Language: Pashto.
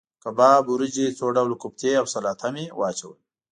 کباب، وریجې، څو ډوله کوفتې او سلاته مې واچول.